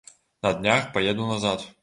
На днях паеду назад.